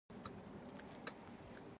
مونږ بايد خپل کارونه پر وخت وکړو